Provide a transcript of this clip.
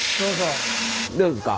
どうですか？